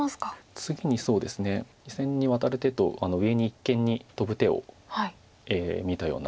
次に２線にワタる手と上に一間にトブ手を見たような手です。